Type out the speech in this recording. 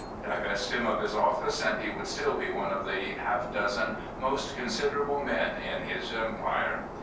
Divest him of his office and he would still be one of the half dozen most considerable men in his Empire.